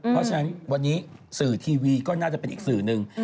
เพราะฉะนั้นวันนี้สื่อทีวีก็น่าจะเป็นอีกสื่อหนึ่ง